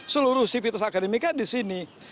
seluruh sivitas akademika di sini